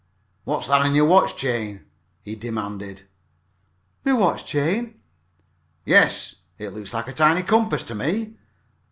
"What's that on your watch chain?" he demanded. "My watch chain?" "Yes. It looks like a tiny compass to me."